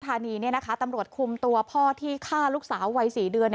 ตำรวจคุมตัวพ่อที่ฆ่าลูกสาววัย๔เดือน